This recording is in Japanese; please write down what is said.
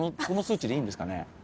この数値でいいんですかね？